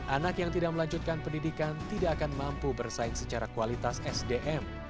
anak yang tidak melanjutkan pendidikan tidak akan mampu bersaing secara kualitas sdm